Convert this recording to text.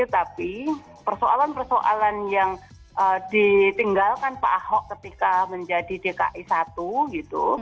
tapi persoalan persoalan yang ditinggalkan pak ahok ketika menjadi dki satu gitu